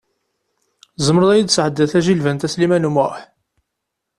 Tzemreḍ i yi-d-tesɛeddiḍ tajilbant, a Sliman U Muḥ?